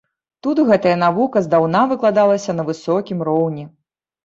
Тут гэтая навука здаўна выкладалася на высокім роўні.